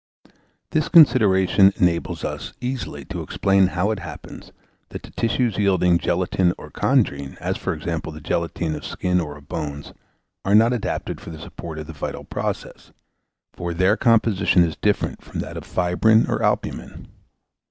This consideration enables us easily to explain how it happens that the tissues yielding gelatine or chondrine, as, for example, the gelatine of skin or of bones, are not adapted for the support of the vital process; for their composition is different from that of fibrine or albumen.